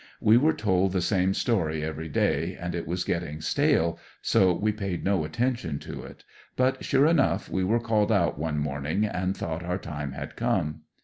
We were told the same story every day, and it was getting stale, so we paid no attention to it ; but sure enough, we were called out one morning and thought our time had come.